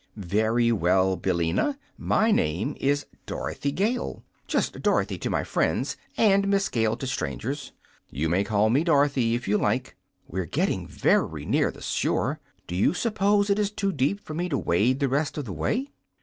"Very well, Billina. MY name is Dorothy Gale just Dorothy to my friends and Miss Gale to strangers. You may call me Dorothy, if you like. We're getting very near the shore. Do you suppose it is too deep for me to wade the rest of the way?"